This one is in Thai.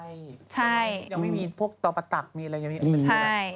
ยังไม่มีพวกตอบตักมีอะไร